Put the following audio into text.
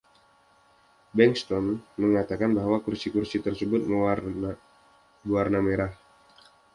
Bengston mengatakan bahwa kursi-kursi tersebut berwarna merah.